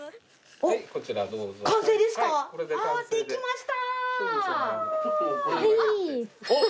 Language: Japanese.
はいできました。